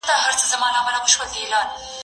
کېدای سي د کتابتون د کار مرسته ستونزي ولري؟